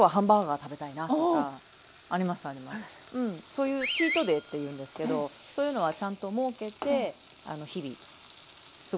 そういうチートデイっていうんですけどそういうのはちゃんと設けて日々過ごしてます。